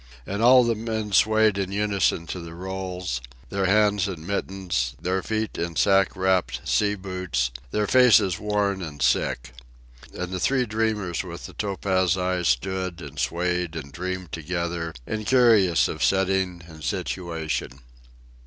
And all the men swayed in unison to the rolls, their hands in mittens, their feet in sack wrapped sea boots, their faces worn and sick. And the three dreamers with the topaz eyes stood and swayed and dreamed together, incurious of setting and situation.